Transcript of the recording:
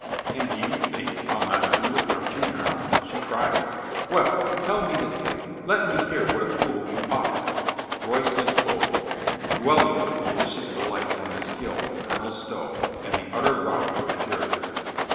"And do you think I'll not do without you now?" she cried. "Well, tell me the tale. Let me hear what a fool you are." Royston told ; dwelling with malicious delight on the skill of Colonel Stow and the utter rout of the Puritans.